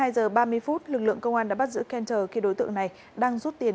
hai mươi hai giờ ba mươi phút lực lượng công an đã bắt giữ kenter khi đối tượng này đang rút tiền